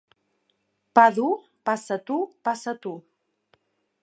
Pa dur, passa tu, passa tu.